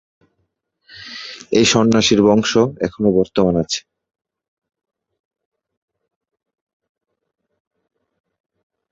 এই সন্ন্যাসীর বংশ এখনও বর্তমান আছে।